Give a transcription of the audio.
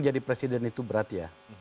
jadi presiden itu berat ya